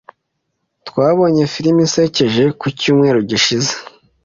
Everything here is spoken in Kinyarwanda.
Twabonye firime isekeje ku cyumweru gishize.